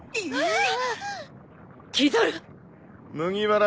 あっ！？